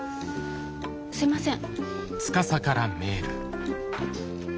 すいません。